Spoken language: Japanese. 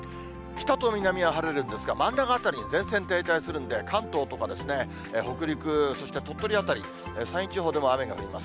北と南は晴れるんですが、真ん中辺り、前線停滞するんで、関東とか北陸、そして鳥取辺り、山陰地方では雨が降ります。